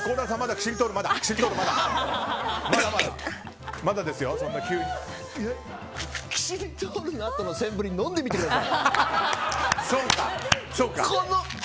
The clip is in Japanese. キシリトールのあとのセンブリ飲んでみてください！